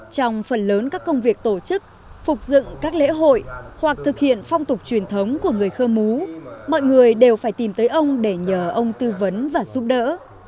trong phần lớn các công việc tổ chức phục dựng các lễ hội hoặc thực hiện phong tục truyền thống của người khơ mú mọi người đều phải tìm tới ông để nhờ ông tư vấn và giúp đỡ